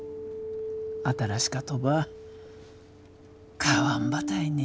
新しかとば買わんばたいね。